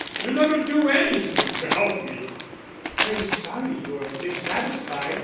You never do anything to help me." "I am sorry you're dissatisfied.